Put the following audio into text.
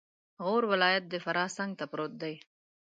غور ولایت د فراه څنګته پروت دی